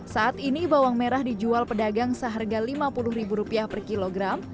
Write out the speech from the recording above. saat ini bawang merah dijual pedagang seharga rp lima puluh per kilogram